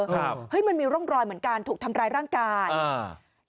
ครับเฮ้ยมันมีร่องรอยเหมือนการถูกทำร้ายร่างกายอ่า